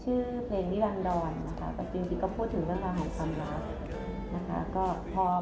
ชื่อเพลงนิรันดรนะคะแต่จริงก็พูดถึงเรื่องราวของความรักนะคะ